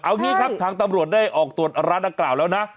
เอานี่ครับทางตำรวจได้ออกตรวจรัฐกราบแล้วนะ